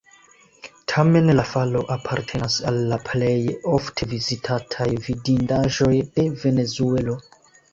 Tamen la falo apartenas al la plej ofte vizitataj vidindaĵoj de Venezuelo.